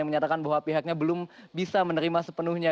yang menyatakan bahwa pihaknya belum bisa menerima sepenuhnya